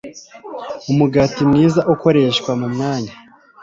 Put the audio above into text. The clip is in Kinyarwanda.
Umugati mwiza ukoreshwa mu mwanya